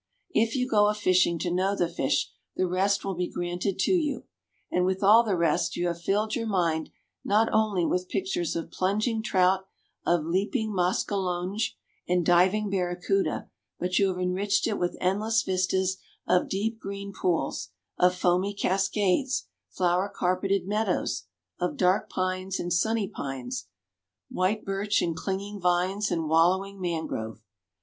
If you go a fishing to know the fish, the rest will be granted to you. And with all the rest you have filled your mind not only with pictures of plunging trout, of leaping muscallonge and diving barracuda, but you have enriched it with endless vistas of deep, green pools; of foamy cascades, flower carpeted meadows, of dark pines and sunny pines, white birch and clinging vines and wallowing mangrove.